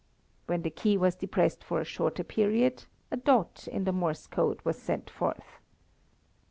When the key was depressed for a shorter period a dot in the Morse code was sent forth.